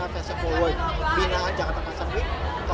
untuk karya karya anak anak desainer indonesia